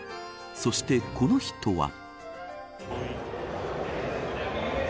そしてこの人は。